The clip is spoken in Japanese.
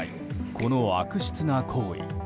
この悪質な行為。